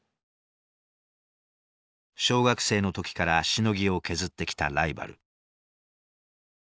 小学生の時からしのぎを削ってきたライバル。